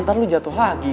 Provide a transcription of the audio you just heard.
ternyata lo jatuh lagi